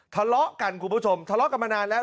ทะเลาะกันคุณผู้ชมทะเลาะกันมานานแล้ว